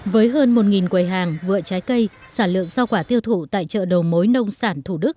với hơn một quầy hàng vựa trái cây sản lượng rau quả tiêu thụ tại chợ đầu mối nông sản thủ đức